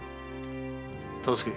忠相。